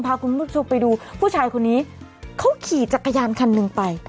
พาคุณผู้ชมไปดูผู้ชายคนนี้เขาขี่จักรยานคันหนึ่งไป